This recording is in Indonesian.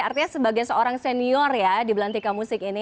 artinya sebagai seorang senior ya di belantika musik ini